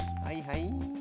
はいはい。